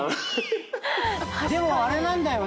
でもあれなんだよね。